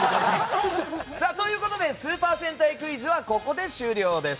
ということでスーパー戦隊クイズはここで終了です。